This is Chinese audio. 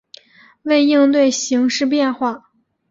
为应对形势变化